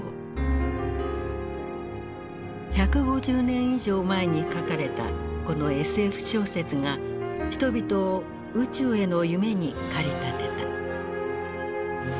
１５０年以上前に書かれたこのＳＦ小説が人々を宇宙への夢に駆り立てた。